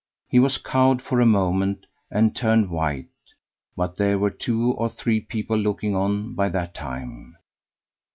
He was cowed for a moment, and turned white, but there were two or three people looking on by that time.